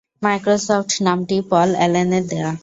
Microsoft নামটি Paul অ্যালেনের দেয়া।